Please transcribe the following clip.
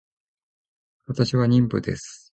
私は妊婦です